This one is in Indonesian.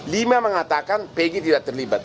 lima mengatakan pg tidak terlibat